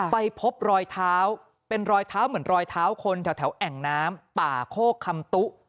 ไปพบรอยเท้าเป็นรอยเท้าเหมือนรอยเท้าคนแถวแอ่งน้ำป่าโคกคำตุ